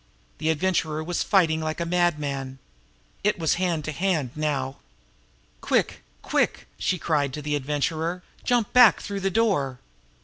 The Adventurer was fighting like a madman. It was hand to hand now. "Quick! Quick!" she cried to the Adventurer. "Jump back through the door."